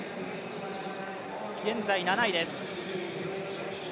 現在７位です。